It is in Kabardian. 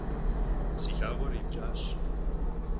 Си лъакъуэр ипкӏащ.